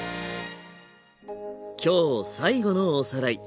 今日最後のおさらい。